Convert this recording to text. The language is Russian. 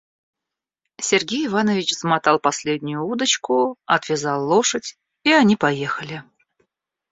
Сергей Иванович замотал последнюю удочку, отвязал лошадь, и они поехали.